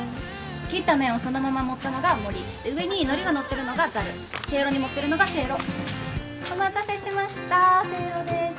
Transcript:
切った麺をそのまま盛ったのがもり上に海苔がのってるのがざるせいろに盛ってるのがせいろお待たせしましたせいろです